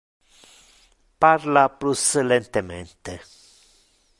Parla plus lentemente.